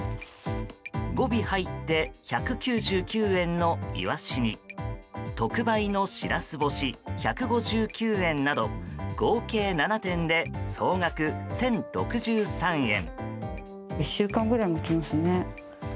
５尾入って１９９円のイワシに特売のシラス干し１５９円など合計７点で総額１０６３円。